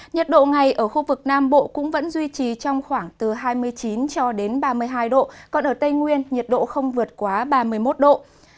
nhiệt độ ngày ở khu vực nam bộ cũng vẫn duy trì trong khoảng từ hai mươi chín cho đến ba mươi hai độ còn ở tây nguyên nhiệt độ không vượt quá ba mươi một độ